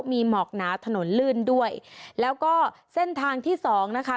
มีหมอกหนาถนนลื่นด้วยแล้วก็เส้นทางที่สองนะคะ